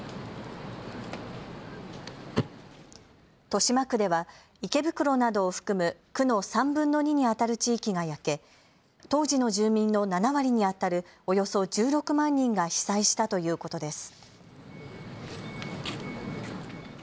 豊島区では池袋などを含む区の３分の２にあたる地域が焼け当時の住民の７割にあたるおよそ１６万人が被災したということです。